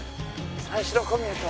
三四郎小宮と。